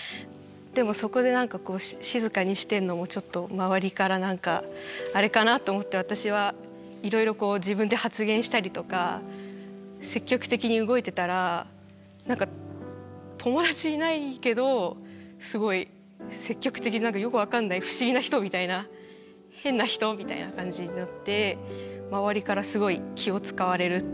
でもそこでなんかこう静かにしてるのもちょっと周りからなんかあれかなと思って私はいろいろこう自分で発言したりとか積極的に動いてたらなんか友達いないけどすごい積極的ななんかよく分かんない不思議な人みたいな変な人みたいな感じになっていいじゃないですか。